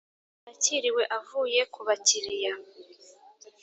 yakiriwe avuye ku bakiriya